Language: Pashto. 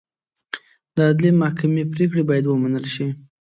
د عدلي محکمې پرېکړې باید ومنل شي.